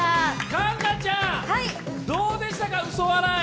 環奈ちゃん、どうでしたか、嘘笑い。